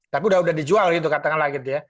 tapi udah udah dijual gitu katanya lagi gitu ya